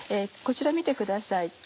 こちら見てください。